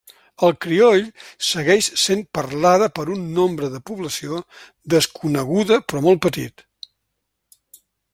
El crioll segueix sent parlada per un nombre de població desconeguda però molt petit.